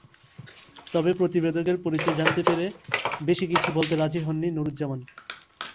তবে প্রতিবেদকের পরিচয় জানতে পেরে বেশি কিছু বলতে রাজি হননি নুরুজ্জামান।